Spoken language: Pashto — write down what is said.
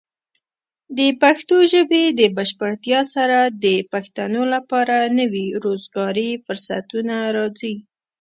د پښتو ژبې د بشپړتیا سره، د پښتنو لپاره نوي روزګاري فرصتونه راځي.